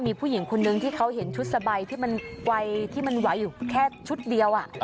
มีผู้หญิงคนนึงที่เขาเห็นชุดสบายที่มันวัยที่มันไหวอยู่แค่ชุดเดียว